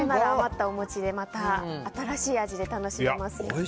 余ったおもちでまた新しい味で楽しめますね。